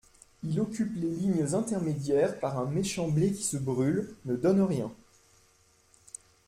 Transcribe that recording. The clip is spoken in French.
Il occupe les lignes intermédiaires par un méchant blé qui se brûle, ne donne rien.